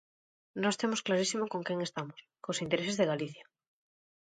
Nós temos clarísimo con quen estamos: cos intereses de Galicia.